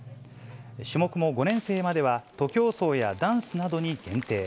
種目も５年生までは徒競走やダンスなどに限定。